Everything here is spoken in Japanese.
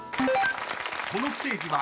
［このステージは］